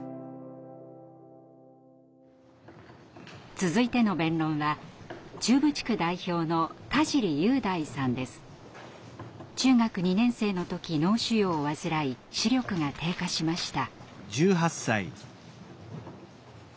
続いての弁論は中部地区代表の中学２年生の時脳腫瘍を患い視力が低下しました。